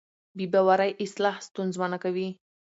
بې باورۍ اصلاح ستونزمنه کوي